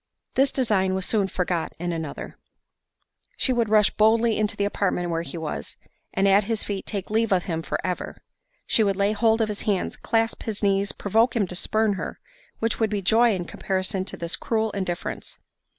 This design was soon forgot in another:—"She would rush boldly into the apartment where he was, and at his feet take leave of him for ever—she would lay hold of his hands, clasp his knees, provoke him to spurn her, which would be joy in comparison to this cruel indifference."